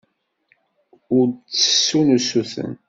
Ur d-ttessun usuten.